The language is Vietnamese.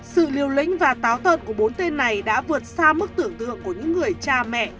sự liều lĩnh và táo tợn của bốn tên này đã vượt xa mức tưởng tượng của những người cha mẹ